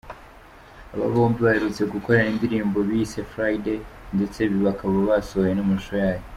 Aba bombi baherutse gukorana indirimbo bise ’Friday’ ndetse bakaba basohoye n’amashusho yayo.